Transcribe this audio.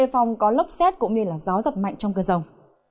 cần đề phòng có lốc xét cũng như gió giật mạnh trong cơn rông